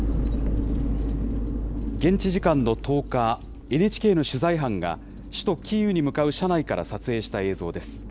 現地時間の１０日、ＮＨＫの取材班が、首都キーウに向かう車内から撮影した映像です。